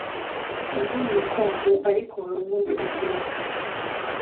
” Sindi mu rukundo ariko hari uwo ndi gutereta